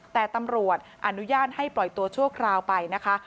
แต่ตำรวจอนุญาตให้ปล่อยตัวชั่วคราวไปนะคะ